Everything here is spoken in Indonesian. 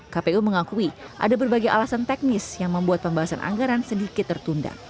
kpu mengakui ada berbagai alasan teknis yang membuat pembahasan anggaran sedikit tertunda